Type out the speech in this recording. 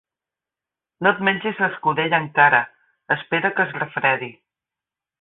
No et mengis l'escudella encara: espera que es refredi.